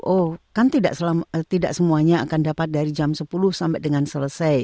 oh kan tidak semuanya akan dapat dari jam sepuluh sampai dengan selesai